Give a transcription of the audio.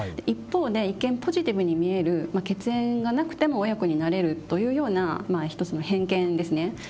一方で一見ポジティブに見える血縁がなくても親子になれるというようなまあ一つの偏見ですね。